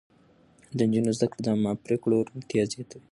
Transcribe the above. د نجونو زده کړه د عامه پرېکړو روڼتيا زياتوي.